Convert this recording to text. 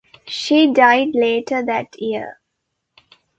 She died later that year.